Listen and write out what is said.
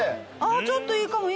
ちょっといいかも。